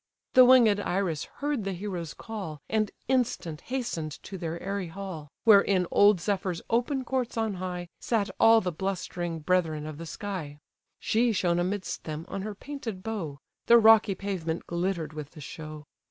The winged Iris heard the hero's call, And instant hasten'd to their airy hall, Where in old Zephyr's open courts on high, Sat all the blustering brethren of the sky. She shone amidst them, on her painted bow; The rocky pavement glitter'd with the show.